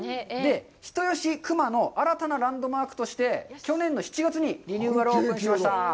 人吉・球磨の新たなランドマークとして去年の７月にリニューアルオープンしました。